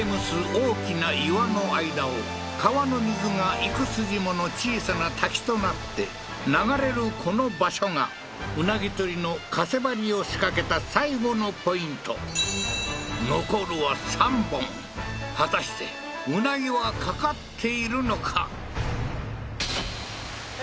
大きな岩の間を川の水が幾筋もの小さな滝となって流れるこの場所が鰻獲りのかせばりを仕掛けた最後のポイント果たして鰻は掛かっているのか？